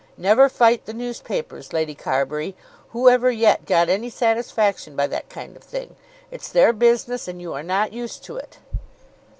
"Never fight the newspapers, Lady Carbury. Who ever yet got any satisfaction by that kind of thing? It's their business, and you are not used to it."